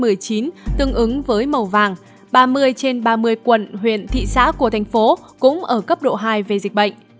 ở cấp độ hai màu vàng ba mươi trên ba mươi quận huyện thị xá của tp cũng ở cấp độ hai về dịch bệnh